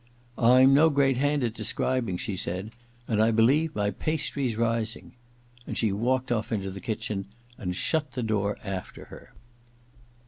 * Tm no great hand at describing,' she said; *and I believe my pastry's rising.' And she walked off into the kitchen and shut the door after her.